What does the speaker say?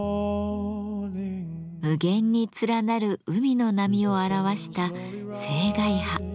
無限に連なる海の波を表した「青海波」。